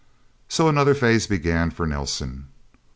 So another phase began for Nelsen.